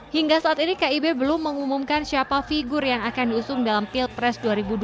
hingga saat ini kib belum mengumumkan siapa figur yang akan diusung dalam pilpres dua ribu dua puluh